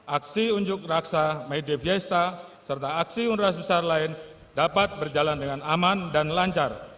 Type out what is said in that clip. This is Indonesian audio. aksi unjuk raksa mediaviesta serta aksi undang undang besar lain dapat berjalan dengan aman dan lancar